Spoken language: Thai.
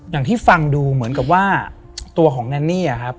อย่างที่ฟังดูเหมือนกับว่าตัวของแนนนี่อะครับ